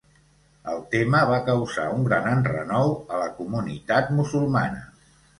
El tema va causar un gran enrenou a la comunitat musulmana.